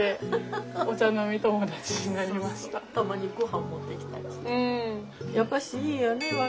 たまにごはん持ってきたりして。